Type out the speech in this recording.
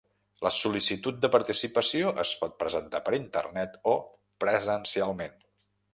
La sol·licitud de participació es pot presentar per internet o presencialment.